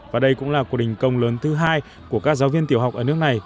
và đây cũng là cuộc đình công lớn thứ hai của các giáo viên tiểu học ở nước này